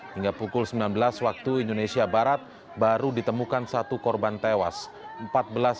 hingga pukul sembilan belas waktu indonesia barat baru ditemukan satu korban tewas